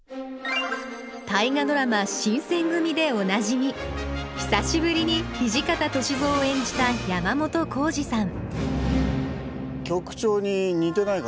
大河ドラマ「新選組！」でおなじみ久しぶりに土方歳三を演じた山本耕史さん局長に似てないか？